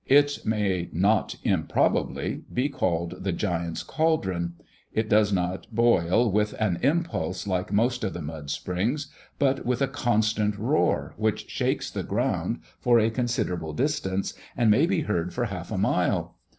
It may not improbably be called the Giants Cauldron. It does not boil with an impulse like most of the mud springs, but with a constant roar which shakes the ground for a considerable distance, and may be heard for half a mile.